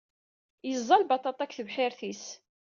Yeẓẓa lbaṭaṭa deg tebḥirt-is.